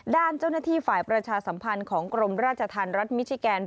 ด้านเจ้าหน้าที่ฝ่ายประชาสัมพันธ์ของกรมราชธรรมรัฐมิชิแกน